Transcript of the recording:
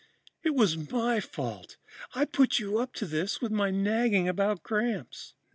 It was my fault. I put you up to this with my nagging about Gramps."